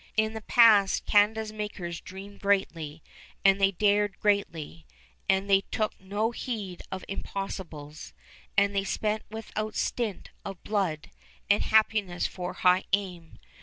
In the past Canada's makers dreamed greatly, and they dared greatly, and they took no heed of impossibles, and they spent without stint of blood and happiness for high aim.